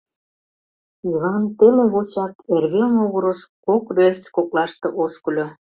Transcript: Йыван теле гочак эрвел могырыш кок рельс коклаште ошкыльо.